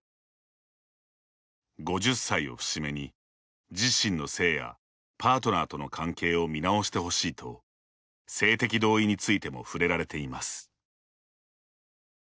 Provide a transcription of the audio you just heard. ５０歳を節目に、自身の性やパートナーとの関係を見直してほしいと性的同意についても触れられています。